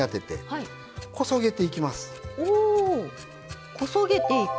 おこそげていく。